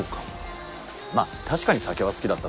まあ確かに酒は好きだったと思うよ。